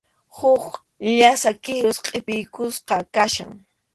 Huk llasa kurus qʼipiykusqa kachkan.